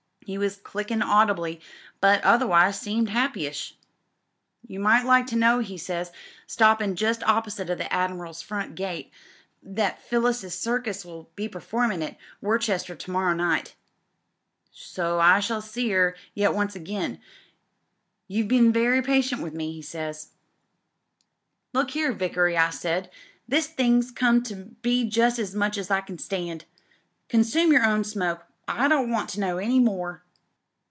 He was clickin' audibly, but otherwise seemed happy ish. "'You might like to know/ he says, stoppin' just opposite the Admiral's front gate, 'that Phyllis's Circus will be performin' at Worcester to morrow night. So I shall see *er yet once again. You've been very patient with me,' he says. "'Look here, Vickery,' I said, 'this thing's come to be just as much as I can stand. Consume your own smoke. I don't want to know any more.'